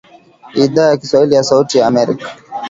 idhaa ya kiswahili ya sauti ya Amerika